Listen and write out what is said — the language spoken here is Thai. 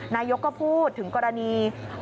นายกก็พูดถึงกรณี